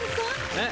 えっ？